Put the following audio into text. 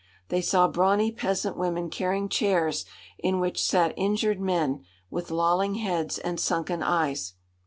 They saw brawny peasant women carrying chairs in which sat injured men with lolling heads and sunken eyes.